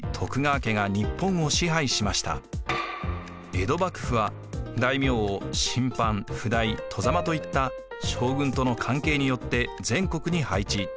江戸幕府は大名を親藩・譜代・外様といった将軍との関係によって全国に配置。